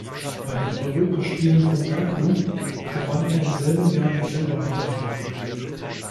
Bei den Europaspielen von Baku gewann er im selben Jahr die Silbermedaille.